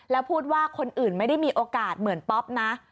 แล้วพูดว่าคนอื่นไม่ได้มีโอกาสเหมือนป๊อปนะ